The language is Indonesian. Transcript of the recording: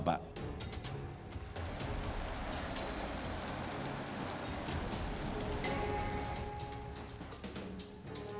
bapak yang sangat baik